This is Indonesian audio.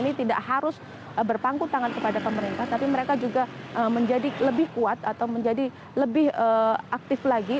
ini tidak harus berpangku tangan kepada pemerintah tapi mereka juga menjadi lebih kuat atau menjadi lebih aktif lagi